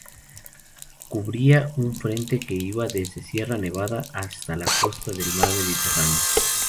Cubría un frente que iba desde Sierra Nevada hasta la costa del mar Mediterráneo.